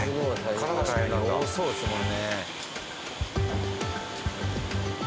多そうですもんね。